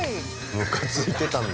ムカついてたんだ。